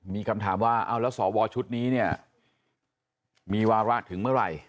มีคำถามว่าเอาแล้วสวชุดนี้เนี่ยมีวาระถึงเมื่อไหร่